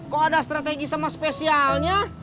kok ada strategi sama spesialnya